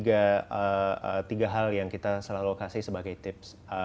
jadi ada tiga hal yang kita selalu kasih sebagai tips